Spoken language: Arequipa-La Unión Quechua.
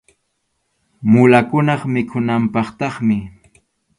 Mulakunap mikhunanpaqtaqmi.